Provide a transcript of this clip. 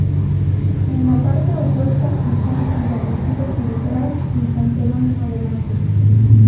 En la parte opuesta están Santa Lucía detrás y San Jerónimo delante.